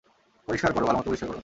পরিষ্কার কর, ভালোমতো পরিষ্কার কর।